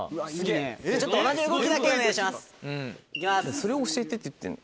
それを教えてって言ってんの。